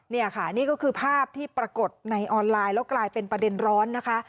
นี่ค่ะนี่ก็คือภาพที่ปรากฏในออนไลน์แล้วกลายเป็นประเด็นร้อนนะคะ